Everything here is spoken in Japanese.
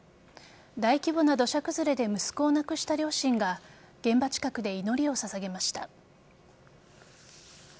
大規模な土砂崩れで息子を亡くした両親が現場近くで祈りを捧げました。